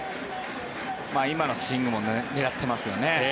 今のスイングも狙ってますよね。